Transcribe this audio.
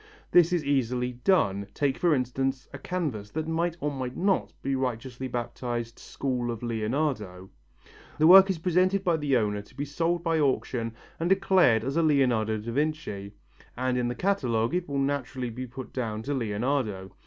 This is easily done; take for instance a canvas that might or might not be righteously baptized "School of Leonardo." The work is presented by the owner to be sold by auction and declared as a Leonardo da Vinci, and in the catalogue it will naturally be put down to Leonardo.